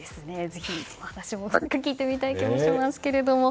ぜひ私も聞いてみたい気もしますけども。